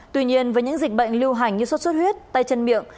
tuy nhiên với những dịch bệnh lưu hành như suất suất huyết tay chân miệng